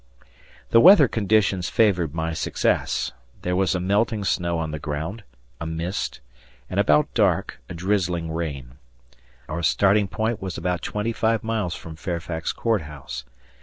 The weather conditions favored my success. There was a melting snow on the ground, a mist, and, about dark, a drizzling rain. Our startingpoint was about twenty five miles from Fairfax Court House.